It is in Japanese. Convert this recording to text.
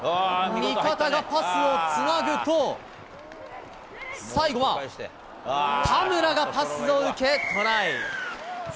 味方がパスをつなぐと、最後は田村がパスを受け、トライ。